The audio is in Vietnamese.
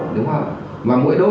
đúng không và mỗi đốt